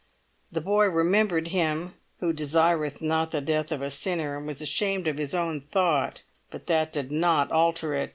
The boy remembered Him who desireth not the death of a sinner, and was ashamed of his own thought; but that did not alter it.